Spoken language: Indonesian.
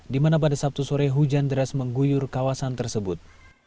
di mana pada sabtu sore hujan deras mengguyur kawasan tersebut